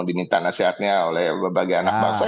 diminta nasihatnya oleh berbagai anak bangsa